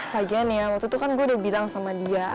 kagean ya waktu itu kan gue udah bilang sama dia